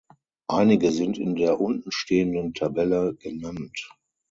Einige sind in der unten stehenden Tabelle genannt.